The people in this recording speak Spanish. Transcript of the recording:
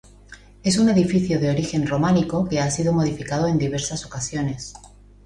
Es un edificio de origen románico que ha sido modificado en diversas ocasiones.